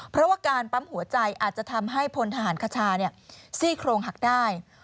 เพราะว่าการปั๊มหัวใจอาจจะทำให้พลทหารคชาซี่โครงหักได้